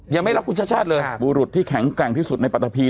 ยังไม่รับคุณชัดเลยบูรุฑที่แข็งแกร่งที่สุดในปัตภีร์